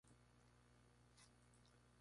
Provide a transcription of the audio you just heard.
La capital comarcal es Santa Cruz de Campezo.